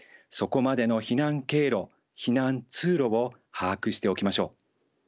そこまでの避難経路避難通路を把握しておきましょう。